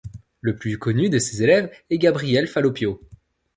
Le plus connu de ses élèves est Gabriele Falloppio.